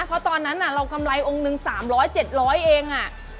เพราะตอนนั้นเรากำไรองค์หนึ่ง๓๐๐๗๐๐เอง